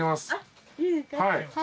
はい。